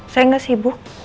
saya gak sibuk